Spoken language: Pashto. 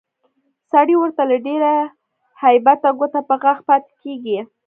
سړی ورته له ډېره هیبته ګوته په غاښ پاتې کېږي